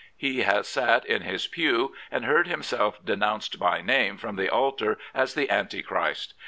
He has sat in his pew and heard himself denounced by name from the altar as the anti Christ.